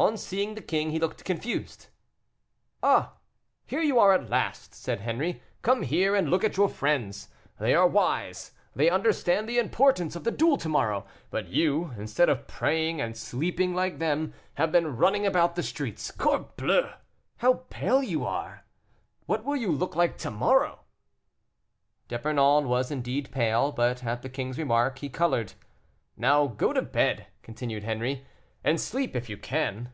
On seeing the king he looked confused. "Ah! here you are at last," said Henri; "come here and look at your friends. They are wise! they understand the importance of the duel to morrow; but you, instead of praying and sleeping like them, have been running about the streets. Corbleu; how pale you are! What will you look like to morrow?" D'Epernon was indeed pale, but at the king's remark he colored. "Now go to bed," continued Henri, "and sleep if you can."